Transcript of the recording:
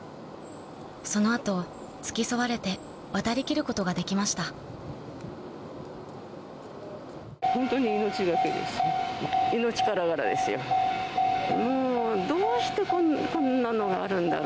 その後付き添われて渡りきることができましたもう。